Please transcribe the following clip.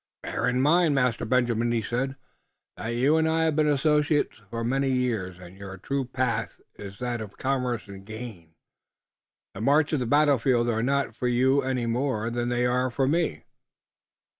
'Bear in mind, Master Benjamin,' he said, 'that you and I have been associates many years, and your true path is that of commerce and gain. The march and the battlefield are not for you any more than they are for me.'